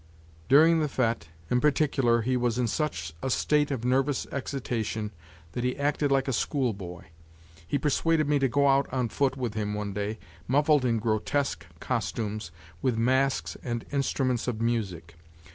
During the fete, in particular, he was in such a state of nervous excitation that he acted like a schoolboy. He persuaded me to go out on foot with him one day, muffled in grotesque costumes, with masks and instruments of music.